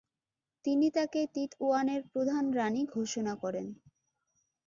তিনি তাকে তিতওয়ানের প্রধান রাণি ঘোষণা করেন।